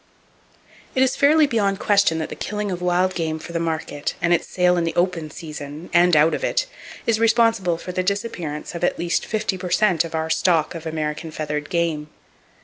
It is fairly beyond question that the killing of wild game for the market, and its sale in the "open season" and out of it, is responsible for the disappearance of at least fifty per cent of our stock of American feathered game.